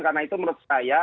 karena itu menurut saya